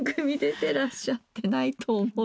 てらっしゃってないと思うけれど。